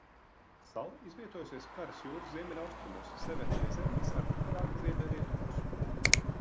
Sala izvietojusies Karas jūras ziemeļaustrumos Severnaja Zemļas arhipelāga ziemeļrietumos.